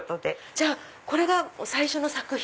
じゃあこれが最初の作品。